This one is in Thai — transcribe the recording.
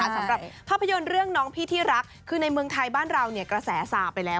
สำหรับภาพยนตร์เรื่องน้องพี่ที่รักคือในเมืองไทยบ้านเราเนี่ยกระแสสาไปแล้ว